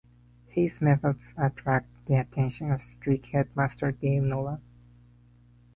His methods attract the attention of strict headmaster Gale Nolan.